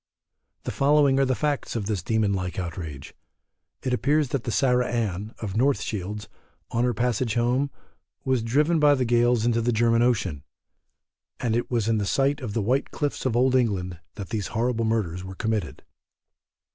The following are the facts of this demon like outrage: It appears that the Sarah Ann, of North Shields, on her passage home, was driven by the gales into the German ocean, and it was in sight of the white cliffs of Old England that these horrible murders were committed.